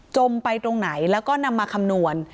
มไปตรงไหนแล้วก็นำมาคำนวณ